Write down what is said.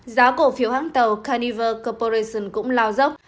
giá cổ phiếu hãng tàu carnival corporation cũng lao dốc